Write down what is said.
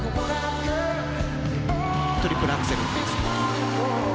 トリプルアクセル。